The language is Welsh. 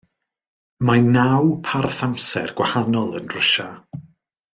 Mae naw parth amser gwahanol yn Rwsia.